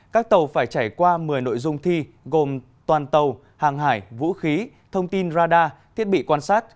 các tàu phải trải qua một mươi nội dung thi gồm toàn tàu hàng hải vũ khí thông tin radar thiết bị quan sát